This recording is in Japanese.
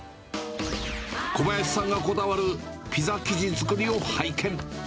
小林さんがこだわるピザ生地作りを拝見。